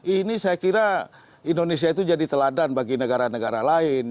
ini saya kira indonesia itu jadi teladan bagi negara negara lain